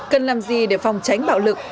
cần làm gì để phòng tránh bạo lực